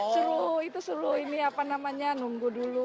seru itu seru ini apa namanya nunggu dulu